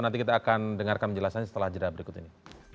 nanti kita akan dengarkan penjelasannya setelah jeda berikut ini